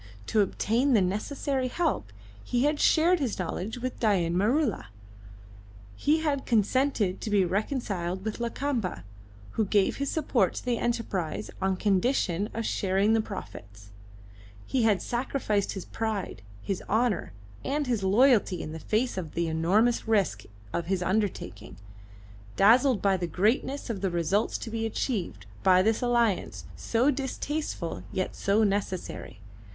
To obtain the necessary help he had shared his knowledge with Dain Maroola, he had consented to be reconciled with Lakamba, who gave his support to the enterprise on condition of sharing the profits; he had sacrificed his pride, his honour, and his loyalty in the face of the enormous risk of his undertaking, dazzled by the greatness of the results to be achieved by this alliance so distasteful yet so necessary.